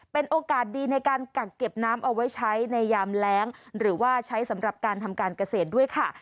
เป็นโอกาสดีในการกักเก็บน้ำเอาไว้ใช้ในยามแร้งหรือว่าใช้สำหรับการทำการเกษตรด้วยค่ะ